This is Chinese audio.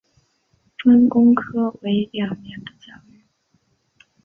专攻科为两年的教育。